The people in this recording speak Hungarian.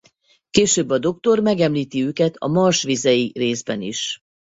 Később a Doktor megemlíti őket a A Mars vizei részben is.